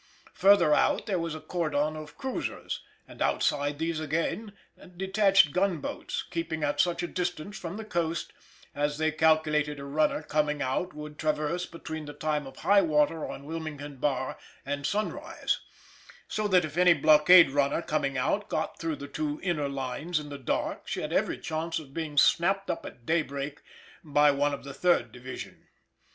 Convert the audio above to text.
Further out there was a cordon of cruisers, and outside these again detached gun boats keeping at such a distance from the coast as they calculated a runner coming out would traverse between the time of high water on Wilmington bar and sunrise, so that if any blockade runner coming out got through the two inner lines in the dark she had every chance of being snapped up at daybreak by one of the third division.